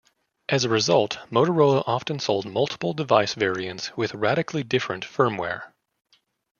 As a result, Motorola often sold multiple device variants with radically different firmware.